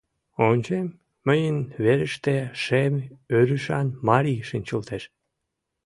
Ончем: мыйын верыште шем ӧрышан марий шинчылтеш.